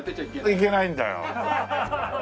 いけないんだよ！